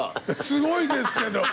「すごいですけど」？